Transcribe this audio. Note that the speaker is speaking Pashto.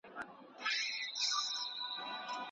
دا لامل تخنیکي ستونزه ګڼل شوې ده.